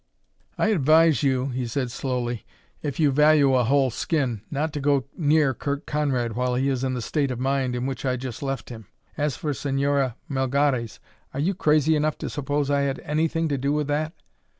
"I advise you," he said slowly, "if you value a whole skin, not to go near Curt Conrad while he is in the state of mind in which I just left him. As for Señora Melgares, are you crazy enough to suppose I had anything to do with that?"